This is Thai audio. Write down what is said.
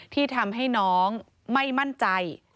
ที่ทำให้น้องไม่มั่นใจ